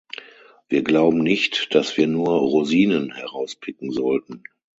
Wir glauben nicht, dass wir nur Rosinen herauspicken sollten.